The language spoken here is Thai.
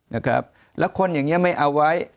นะครับแล้วคนอย่างนี้ไม่เอาไว้